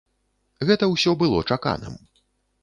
Гэта ўсё было чаканым.